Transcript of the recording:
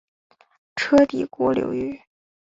车底国流域。